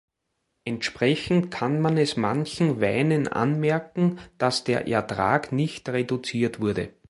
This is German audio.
Entsprechend kann man es manchen Weinen anmerken, dass der Ertrag nicht reduziert wurde.